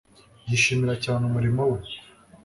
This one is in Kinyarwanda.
Yishimira cyane umurimo we